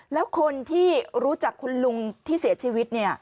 แล้วคนที่รู้จักคุณลุงที่เสียชีวิตเนี่ย